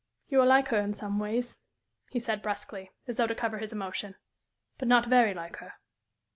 "You are like her in some ways," he said, brusquely, as though to cover his emotion; "but not very like her."